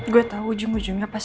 gue tahu ujung ujungnya pasti mampus